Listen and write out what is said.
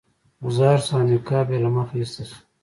غوځار شو او نقاب یې له مخه ایسته شو.